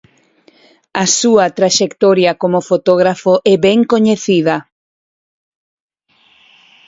A súa traxectoria como fotógrafo é ben coñecida.